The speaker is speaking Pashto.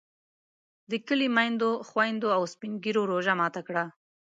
د کلي میندو، خویندو او سپین ږیرو روژه ماته کړه.